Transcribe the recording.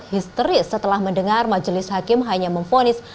histeris setelah mendengar majelis hakim hanya memfonis